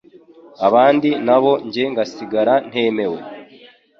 abandi naho jye ngasigara ntemewe.”